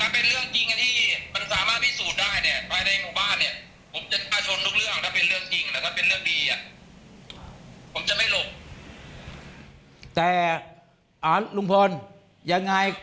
เป็นเรื่องดีอ่ะผมจะไม่หลุบแต่อ่าลุงพลยังไง